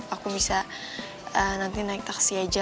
aku bisa nanti naik taksi aja